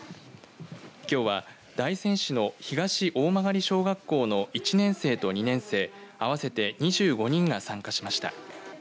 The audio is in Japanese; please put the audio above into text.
きょうは大仙市の東大曲小学校の１年生と２年生合わせて２５人が参加しました。